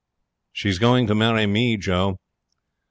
'She's going to marry me, Joe.'